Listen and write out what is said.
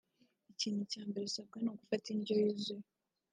Ikintu cya mbere usabwa ni ugufata indyo yuzuye